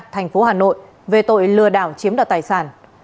thành phố hà nội về tội lừa đảo chiếm đoạt tài sản